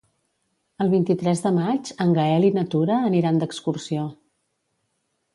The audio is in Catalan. El vint-i-tres de maig en Gaël i na Tura aniran d'excursió.